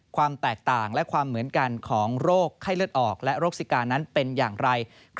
ความแตกต่างและความเหมือนกันของโรคไข้เลือดออกและโรคสิกานั้นเป็นอย่างไร